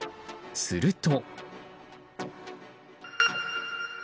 すると。